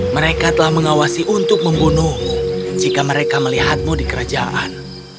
mereka telah mengawasi untuk membunuh jika mereka melihatmu di kerajaan